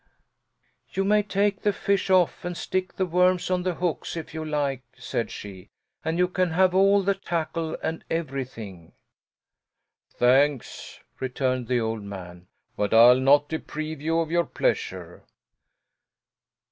"You may take the fish of and stick the worms on the hooks, if you like," said she, "and you can have all the tackle and everything." "Thanks," returned the old man. "But I'll not deprive you of your pleasure."